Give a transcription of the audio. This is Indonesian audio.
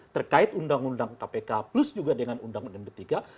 terkait undang undang kpk plus juga dengan undang undang b tiga